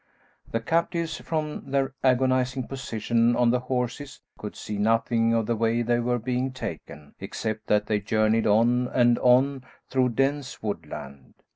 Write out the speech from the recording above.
The captives, from their agonising position on the horses, could see nothing of the way they were being taken, except that they journeyed on and on through dense woodland.